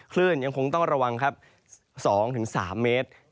คลื่นยังคงต้องระวังครับ๒๓เมตร